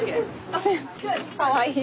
かわいい。